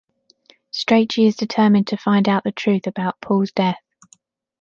Strachey is determined to find out the truth about Paul's death.